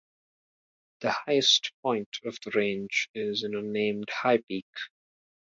The highest point of the range is an unnamed high peak.